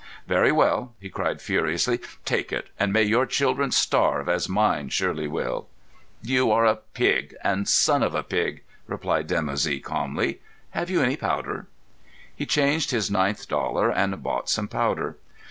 "Very well," he cried furiously. "Take it, and may your children starve as mine surely will!" "You are a pig, and the son of a pig," replied Dimoussi calmly. "Have you any powder?" He changed his ninth dollar and bought some powder.